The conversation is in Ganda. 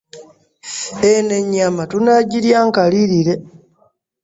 Eno ennyama tunaagirya nkalirire.